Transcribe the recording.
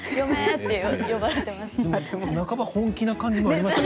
半ば本気な感じもありましたよ。